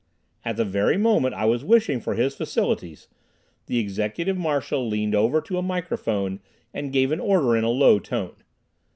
At the very moment I was wishing for his facilities the Executive Marshal leaned over to a microphone and gave an order in a low tone.